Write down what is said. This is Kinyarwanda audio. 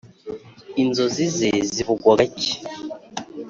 inzozi ze zivugwa gake.